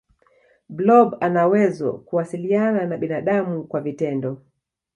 blob anawezo kuwasiliana na binadamu kwa vitendo